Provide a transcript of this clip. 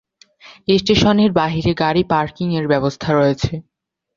স্টেশনের বাহিরে গাড়ী পার্কিং এর ব্যবস্থা রয়েছে।